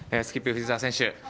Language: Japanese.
スキップ、藤澤選手。